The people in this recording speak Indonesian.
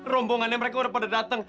rombongannya mereka udah pada datang